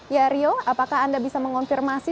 ya rio apakah anda bisa mengonfirmasi